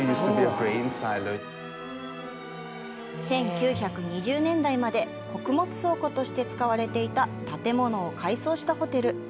１９２０年代まで穀物倉庫として使われていた建物を改装したホテル。